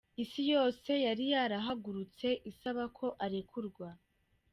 Isi yose yari yarahagurutse isaba ko arekurwa.